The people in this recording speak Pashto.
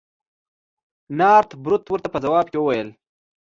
نارت بروک ورته په ځواب کې وویل.